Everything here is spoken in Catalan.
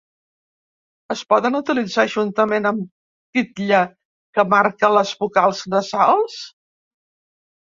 Es poden utilitzar juntament amb titlla que marca les vocals nasals.